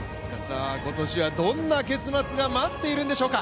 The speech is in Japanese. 今年はどんな結末が待っているんでしょうか。